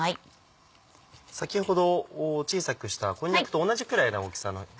先ほど小さくしたこんにゃくと同じくらいの大きさの。